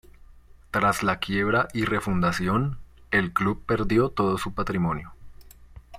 Tras la quiebra y refundación, el club perdió todo su patrimonio.